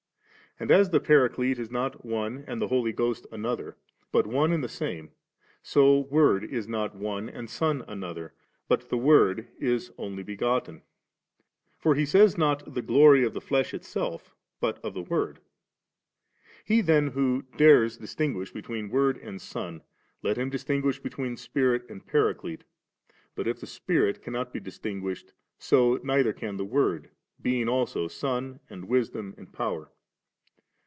And as the Paraclete is not one and the Holy Ghost another, but one and the same, so Word is not one, and Son another, but the Word is Only B^otten ; for He sajrs not the glory of the flesh itself, but of the Word. He then who dares distinguish between Word and Son, let him distinguish between Spirit and Paraclete ; but if the Spirit cannot be distinguished, so neither can the Word, being also Son and Wisdom and Power.